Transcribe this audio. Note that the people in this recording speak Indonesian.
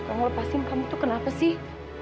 kalo lo lepasin kamu tuh kenapa sih